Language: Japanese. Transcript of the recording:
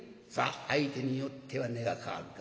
「相手によっては値が変わるから。